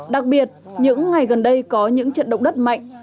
đặc biệt những ngày gần đây có những trận động đất mạnh